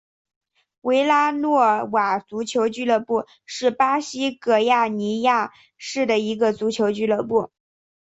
维拉诺瓦足球俱乐部是巴西戈亚尼亚市的一个足球俱乐部。